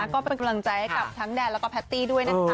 ก็เป็นกำลังใจให้กับทั้งแดนแล้วก็แพตตี้ด้วยนะคะ